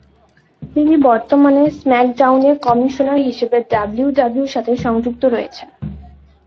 তিনি বর্তমানে স্ম্যাকডাউনের কমিশনার হিসেবে ডাব্লিউডাব্লিউইর সাথে সংযুক্ত রয়েছেন।